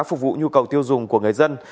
phục vụ nhu cầu tiêu dùng của người dân